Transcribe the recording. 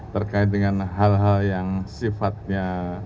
terkait dengan hal hal yang sifatnya